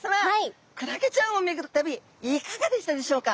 クラゲちゃんを巡る旅いかがでしたでしょうか？